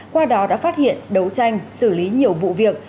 qua đó đã phát hiện đấu tranh xử lý nhiều vụ việc